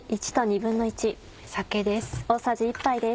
酒です。